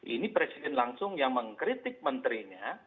ini presiden langsung yang mengkritik menterinya